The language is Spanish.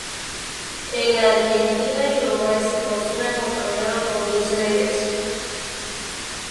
En Argentina y Uruguay se consume acompañado con dulce de leche.